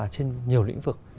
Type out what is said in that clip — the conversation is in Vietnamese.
trên nhiều lĩnh vực